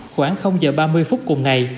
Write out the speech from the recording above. khoảng giờ ba mươi phút cùng ngày